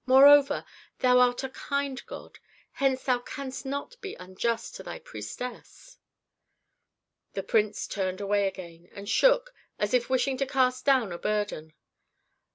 "Moreover, thou art a kind god, hence thou canst not be unjust to thy priestess." The prince turned away again, and shook as if wishing to cast down a burden.